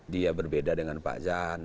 dia berbeda dengan pak jan